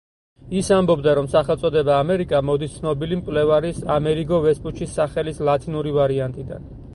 ის ამბობდა, რომ სახელწოდება ამერიკა მოდის ცნობილი მკვლევარის ამერიგო ვესპუჩის სახელის ლათინური ვარიანტიდან.